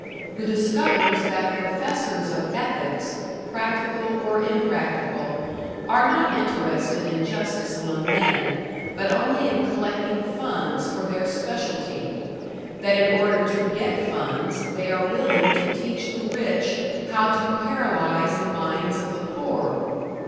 Who discovers that professors of ethics, practical or impractical, are not interested in justice among men, but only in collecting funds for their specialty; that in order to get funds, they are willing to teach the rich how to paralyze the minds of the poor!